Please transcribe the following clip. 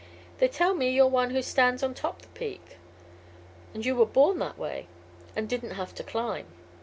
They tell me you're one who stands on top the peak. And you were born that way, and didn't have to climb.